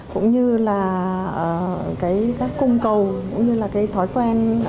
cũng như là cái các cung cầu cũng như là cái thói quen